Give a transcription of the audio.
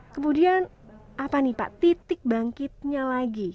kemudian apa nih pak titik bangkitnya lagi